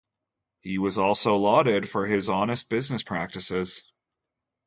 He was also lauded for his honest business practices.